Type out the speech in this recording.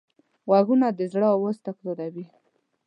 غوږونه د زړه آواز تکراروي